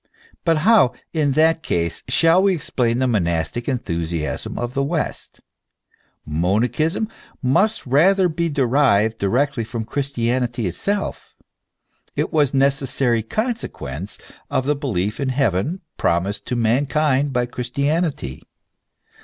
But how, in that case, shall we explain the monastic enthusiasm of the west ? Monachism must rather be derived directly from Christianity itself: it was a necessary consequence of the belief in heaven, promised to mankind by Christianity.